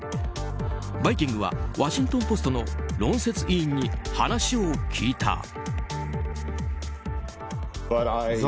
「バイキング」はワシントン・ポストの論説委員に話を聞いた。